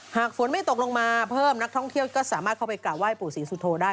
หากฝนไม่ตกลงมาเพิ่มนักท่องเที่ยวก็สามารถเข้าไปกราบไห้ปู่ศรีสุโธได้